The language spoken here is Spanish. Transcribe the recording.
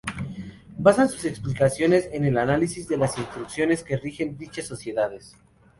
Basan sus explicaciones en el análisis de las instituciones que rigen dichas sociedades.